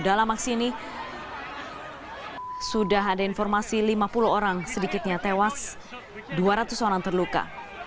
dalam aksi ini sudah ada informasi lima puluh orang sedikitnya tewas dua ratus orang terluka